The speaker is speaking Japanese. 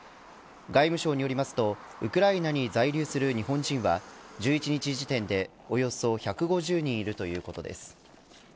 外務省によりますとウクライナに在留する日本人は１１日時点でおよそ１５０人いるということです。